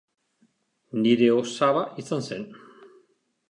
Nire osaba izan zen.